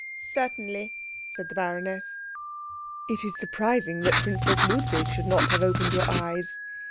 "Certainly," said the baroness. "It is surprising that Princess Ludwig should not have opened your eyes."